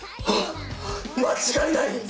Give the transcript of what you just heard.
あっ間違いない！